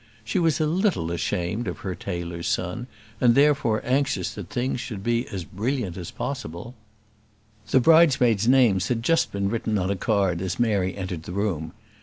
She was a little ashamed of her tailor's son, and therefore anxious that things should be as brilliant as possible. The bridesmaid's names had just been written on a card as Mary entered the room.